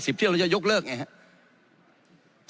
ตามน้ำหนุนกำหนดคือมากกว่า๕หมื่นชื่อ